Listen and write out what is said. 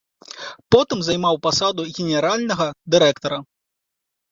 Потым займаў пасаду генеральнага дырэктара.